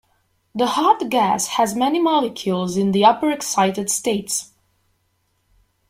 The hot gas has many molecules in the upper excited states.